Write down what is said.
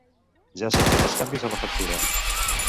Ja s'han fet els canvis a la factura.